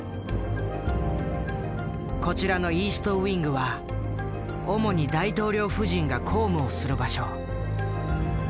こちらのイーストウィングは主に大統領夫人が公務をする場所。